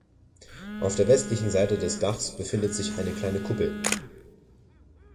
Auf der westlichen Seite des Daches befindet sich eine kleine Kuppel.